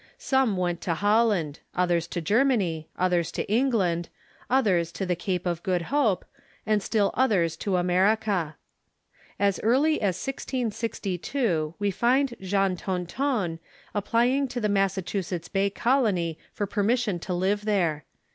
Some went to Holland, others to Germany, others to England, oth ers to the Cape of Good Hope, and still others to America. As early as 1602 we find Jean Touton applying to the Mas sachusetts Bay Colony for permission to live there.